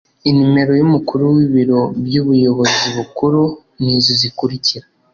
inimero y’umukuru w’ibiro by’ubuyobozi bukuru ni izi zikurikira